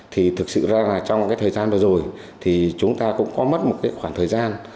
thì thực sự ra là trong cái thời gian vừa rồi thì chúng ta cũng có mất một cái khoảng thời gian